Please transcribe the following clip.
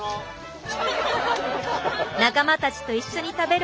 仲間たちと一緒に食べるお昼ごはん。